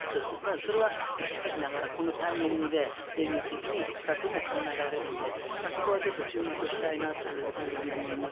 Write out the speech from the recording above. それは意識しながらこのタイミングで電撃的に行ったとも考えられるのでそこは注目したいなと思います。